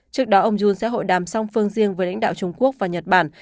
trước đó ông jun sẽ hội đàm song phương riêng với lãnh đạo trung quốc và nhật bản